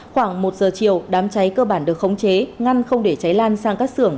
khoảng một giờ chiều đám cháy cơ bản được khống chế ngăn không để cháy lan sang các xưởng